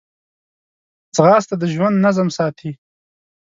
ځغاسته د ژوند نظم ساتي